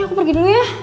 aku pergi dulu ya